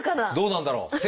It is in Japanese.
どうなんだろう？